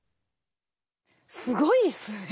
すごいっすね。